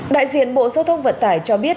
đại diện bộ giao thông vận tải cho biết